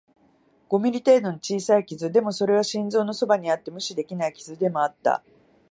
五ミリ程度の小さい傷、でも、それは心臓のそばにあって無視できない傷でもあった